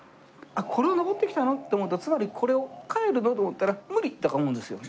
これを登ってきたのって思うとつまりこれを帰るのと思ったら無理とか思うんですよね。